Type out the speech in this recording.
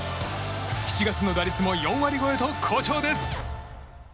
７月の打率も４割超えと好調です。